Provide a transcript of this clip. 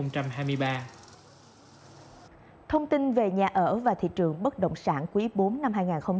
thông tin về nhà ở và thị trường bất động sản quý bốn năm hai nghìn hai mươi bốn